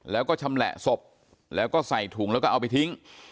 แล้วก็ชำแหละศพแล้วก็ใส่ถุงแล้วก็เอาไปทิ้ง